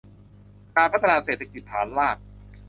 การพัฒนาเศรษฐกิจฐานราก